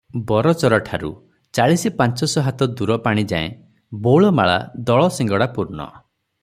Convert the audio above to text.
ବରଚରାଠରୁ ଚାଳିଶ ପାଞ୍ଚଶ ହାତ ଦୂର ପାଣିଯାଏ ବଉଳମାଳା ଦଳ ଶିଙ୍ଗଡ଼ା ପୂର୍ଣ୍ଣ ।